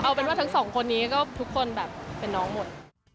เอาเป็นว่าทั้งสองคนนี้ก็ทุกคนแบบเป็นน้องหมด